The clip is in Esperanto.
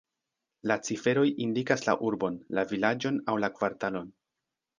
La ciferoj indikas la urbon, la vilaĝon aŭ la kvartalon.